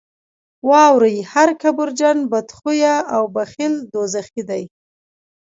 واورئ هر کبرجن، بدخویه او بخیل دوزخي دي.